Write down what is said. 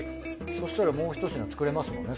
そしたらもうひと品作れますもんね